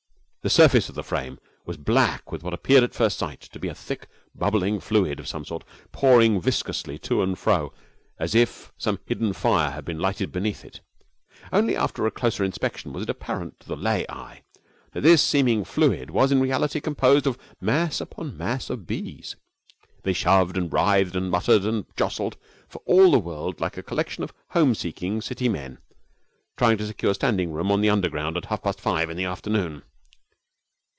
The surface of the frame was black with what appeared at first sight to be a thick, bubbling fluid of some sort, pouring viscously to and fro as if some hidden fire had been lighted beneath it. Only after a closer inspection was it apparent to the lay eye that this seeming fluid was in reality composed of mass upon mass of bees. They shoved and writhed and muttered and jostled, for all the world like a collection of home seeking City men trying to secure standing room on the Underground at half past five in the afternoon.